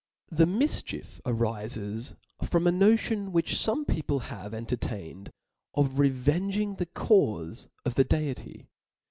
The mifchief arifes from a notion which . forac people have entertained of revenging the caufe of the Deity.